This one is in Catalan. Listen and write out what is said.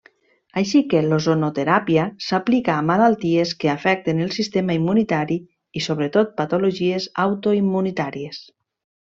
Així que l'ozonoteràpia s'aplica a malalties que afecten el sistema immunitari, i sobretot patologies autoimmunitàries.